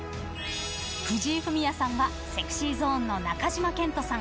藤井フミヤさんはＳｅｘｙＺｏｎｅの中島健人さん